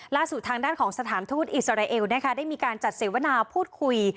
ล่าสุดทางด้านของสถานทูตอิสราเอลนะคะได้มีการจัดเสวนาพูดคุย